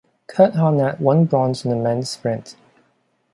Curt Harnett won bronze in the men's sprint.